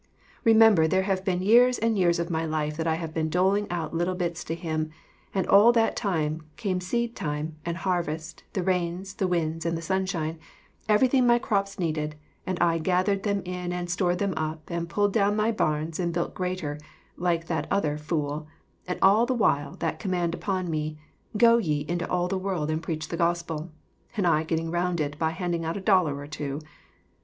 Remember, there have been years and years of my life that I have been doling out little bits to him, and all that time came seed time and harvest, the rains, the winds and the sunshine, everything my crops needed, and I gathered them in and stored them up and pulled down my barns and built greater, like that other "fool," and all the while that command upon me, "Go ye into all the world and preach the gospel," and I get ting round it by handing out a dollar or two!